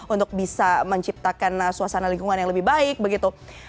untuk bisa menciptakan suasana lingkungan yang lebih baik begitu